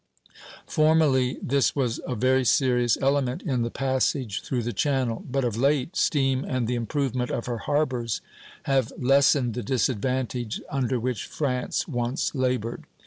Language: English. Formerly this was a very serious element in the passage through the Channel; but of late, steam and the improvement of her harbors have lessened the disadvantage under which France once labored.